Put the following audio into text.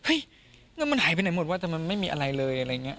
เงินมันหายไปไหนหมดวะแต่มันไม่มีอะไรเลยอะไรอย่างนี้